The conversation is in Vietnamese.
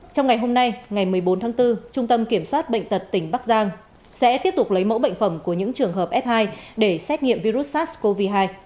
trong ngày hôm nay ngày một mươi bốn tháng bốn trung tâm kiểm soát bệnh tật tỉnh bắc giang sẽ tiếp tục lấy mẫu bệnh phẩm của những trường hợp f hai để xét nghiệm virus sars cov hai